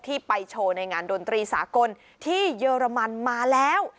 ไปโชว์ในงานดนตรีสากลที่เยอรมันมาแล้ว